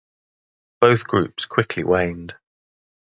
Both groups quickly waned.